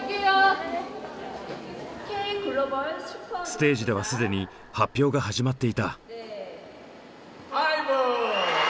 ステージでは既に発表が始まっていた。